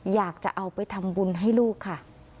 อยากจะเอาไปทำบุญให้ลูกค่ะ